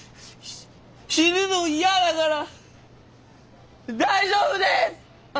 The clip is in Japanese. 死ぬの嫌だから大丈夫です！